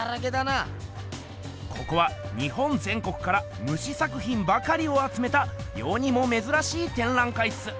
ここは日本ぜん国からムシ作ひんばかりをあつめたよにもめずらしいてんらん会っす。